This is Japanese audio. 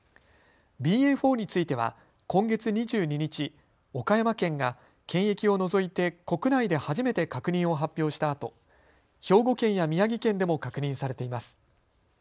ＢＡ．４については今月２２日、岡山県が検疫を除いて国内で初めて確認を発表したあと、兵庫県や宮城県でも確認されています。